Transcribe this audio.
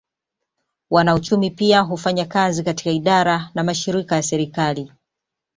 Wanauchumi pia hufanya kazi katika idara na mashirika ya serikali